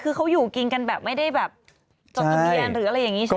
คือเขาอยู่กินกันแบบไม่ได้แบบจดทะเบียนหรืออะไรอย่างนี้ใช่ไหม